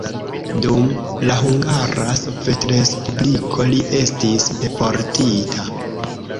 Dum la Hungara Sovetrespubliko li estis deportita.